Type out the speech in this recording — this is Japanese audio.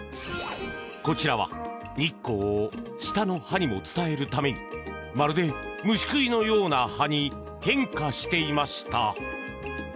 こちらは日光を下の葉にも伝えるためにまるで虫食いのような葉に変化していました。